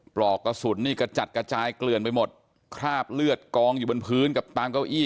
ปลอกกระสุนนี่กระจัดกระจายเกลื่อนไปหมดคราบเลือดกองอยู่บนพื้นกับตามเก้าอี้